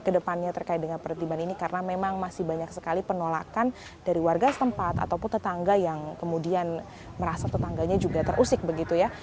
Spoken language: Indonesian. kedepannya terkait dengan pertimbangan ini karena memang masih banyak sekali penolakan dari warga setempat ataupun tetangga yang kemudian merasa tetangganya juga terusik begitu ya